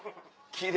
奇麗。